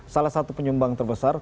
salah satu penyumbang terbesar